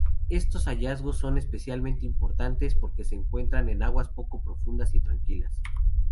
Estos hallazgos son especialmente importantes porque se encuentran en aguas poco profundas y tranquilas.